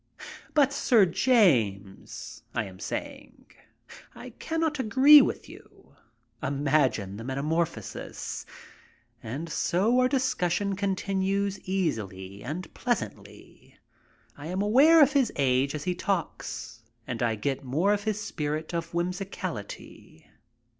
"But, Sir James," I am saying, "I cannot agree with you —" Imagine the metamorphosis. And our discussion continues easily and pleasantly. I am aware of his age as he talks and I get more of his spirit of whimsicality.